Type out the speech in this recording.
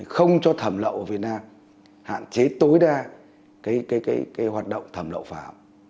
không cho thẩm lậu ở việt nam hạn chế tối đa hoạt động thẩm lậu pháo